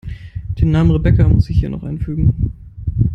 Den Namen Rebecca muss ich hier noch einfügen.